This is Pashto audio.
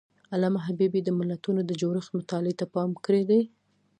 علامه حبيبي د ملتونو د جوړښت مطالعې ته پام کړی دی.